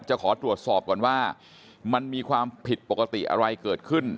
จะขอตรวจสอบก่อนว่ามันมีความผิดปกติอะไรเกิดขึ้น